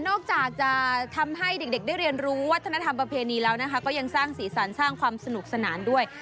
นอกจากจะทำให้เด็กได้เรียนรู้วัฒนธรรมประเพณีแล้วนะคะก็ยังสร้างสีสันสร้างความสนุกสนานด้วย